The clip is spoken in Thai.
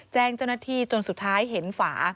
แจ้งเจ้าหน้าที่จนสุดท้ายเห็นฝา